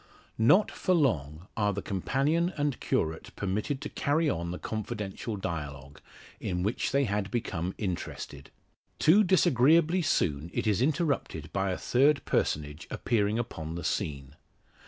Not for long are the companion and curate permitted to carry on the confidential dialogue, in which they had become interested. Too disagreeably soon is it interrupted by a third personage appearing upon the scene.